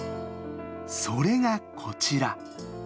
それがこちら。